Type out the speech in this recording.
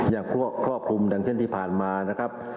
อย่างครอบคลุมดังเช่นที่ผ่านมานะครับ